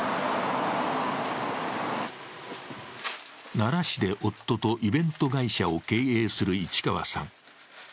奈良市で夫とイベント会社を経営する市川さん。